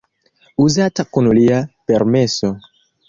Uzata kun lia permeso.